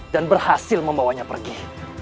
dan berhasil membawanya pergi